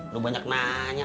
lu banyak nanya